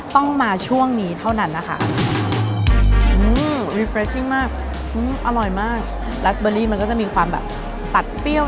ต้องมาช่วงนี้เท่านั้นนะคะอร่อยมากลาสเบอรี่มันก็จะมีความแบบตัดเปรี้ยว